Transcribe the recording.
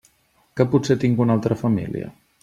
Que potser tinc una altra família?